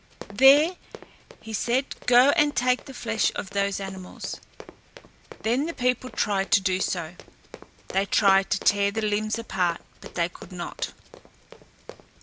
"There," he said, "go and take the flesh of those animals." Then the people tried to do so. They tried to tear the limbs apart, but they could not.